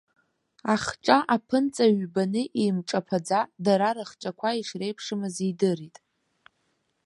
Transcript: Ахҿа аԥынҵа ҩбаны еимҿаԥаӡа, дара рыхҿақәа ишреиԥшымыз идырит.